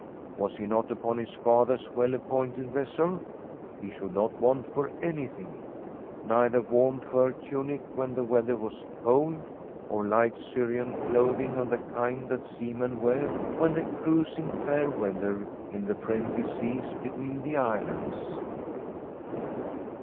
Was he not upon his father's well appointed vessel? He should not want for anything — neither warm fur tunic when the The Forest QUEEN weather was cold, or light Syrian clothing of the kind that seamen wear when they cruise in fair weather in the friendly seas between the islands.